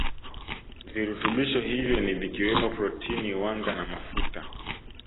Virutunbisho hivyo ni vikiwemo protini wanga na mafuta